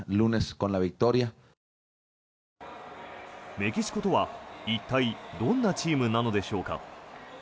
メキシコとは一体どんなチームなのでしょうか？